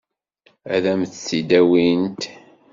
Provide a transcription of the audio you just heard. Ad m-t-id-awint?